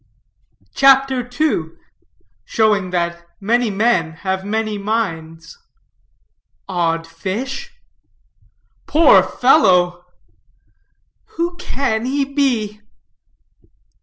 CHAPTER II. SHOWING THAT MANY MEN HAVE MANY MINDS. "Odd fish!" "Poor fellow!" "Who can he be?"